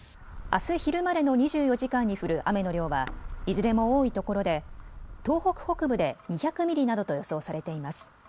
あす昼までの２４時間に降る雨の量はいずれも多いところで東北北部で２００ミリなどと予想されています。